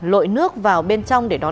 lội nước vào bên trong để đón con